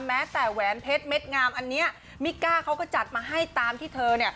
แม้แต่แหวนเพชรเม็ดงามอันนี้มิกก้าเขาก็จัดมาให้ตามที่เธอ